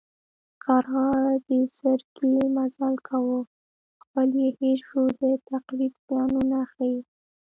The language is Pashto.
کارغه د زرکې مزل کاوه خپل یې هېر شو د تقلید زیانونه ښيي